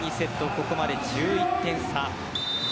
ここまで１１点差。